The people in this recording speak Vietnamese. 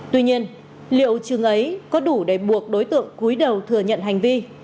tuy nhiên liệu chừng ấy có đủ để buộc đối tượng cuối đầu thừa nhận hành vi